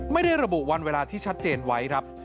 ไม่ได้ระบุวันเวลาที่ชัดเจนไว้ครับ